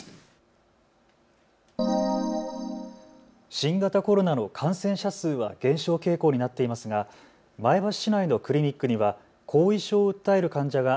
新型コロナの感染者数は減少傾向になっていますが前橋市内のクリニックには後遺症を訴える患者が